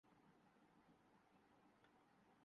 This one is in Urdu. کس روز تہمتیں نہ تراشا کیے عدو